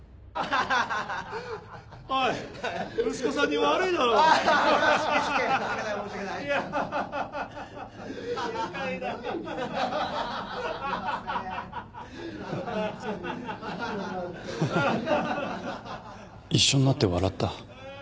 ハハハハ一緒になって笑った。